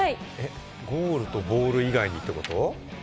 ゴールとボール以外にということ？